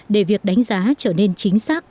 để việc đánh giá trở nên chính xác